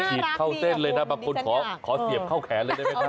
ฉีดเข้าเส้นเลยนะบางคนขอเสียบเข้าแขนเลยได้ไหมครับ